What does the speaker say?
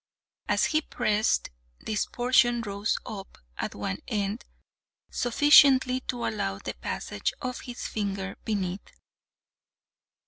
As he pressed, this portion rose up at one end sufficiently to allow the passage of his finger beneath.